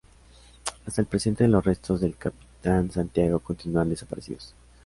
Hasta el presente los restos del Capitán Santiago continúan desaparecidos.